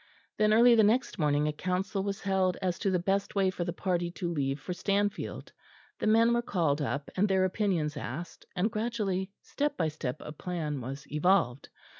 Then early the next morning a council was held as to the best way for the party to leave for Stanfield. The men were called up, and their opinions asked; and gradually step by step a plan was evolved.